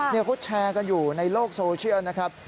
เขาแชร์กันอยู่ในโลกโซเชียลนะครับ